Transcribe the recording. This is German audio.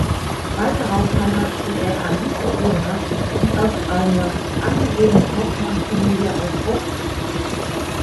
Bald darauf heiratete er Alice Federer, die aus einer angesehenen Kaufmannsfamilie aus Au kam.